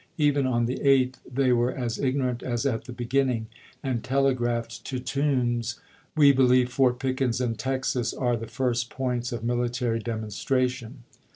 Even on the 8th The.com they were as ignorant as at the beginning, and toToombs, telegi aphed to Toombs: "We believe Fort Pickens ^"ms^^"" and Texas are the first points of military demon Apriis.iki. stration."